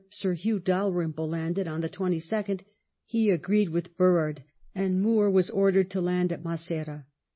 Sir Hew Dalrymple, landed on the 22nd, he agreed with Burrard, and Moore was ordered to land at Maceira.